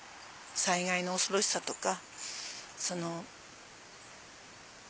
災害の恐ろしさとか。